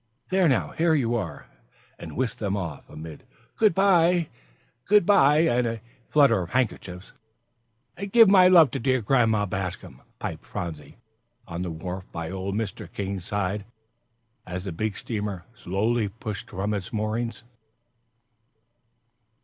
"There now, here you are!" and whisked them off, amid "good by good by" and a flutter of handkerchiefs. "And give my love to dear Grandma Bascom," piped Phronsie, on the wharf by old Mr. King's side, as the big steamer slowly pushed from its moorings.